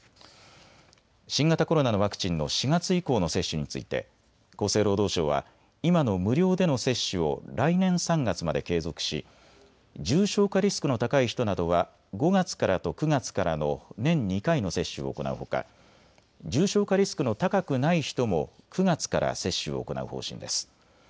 新型コロナのワクチンの４月以降の接種について厚生労働省は今の無料での接種を来年３月まで継続し重症化リスクの高い人などは５月からと９月からの年２回の接種を行うほか重症化リスクの高くない人も９月から接種を行う方針です。